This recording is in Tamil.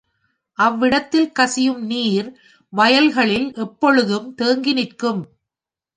அவ்விடத்தில் கசியும் நீர் வயல்களில் எப்பொழுதும் தேங்கிநிற்கும்.